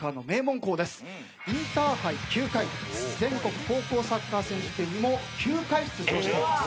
インターハイ９回全国高校サッカー選手権にも９回出場しております。